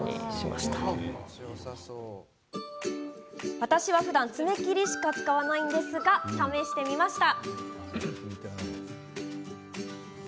私は、ふだん爪切りしか使わないんですが試してみました。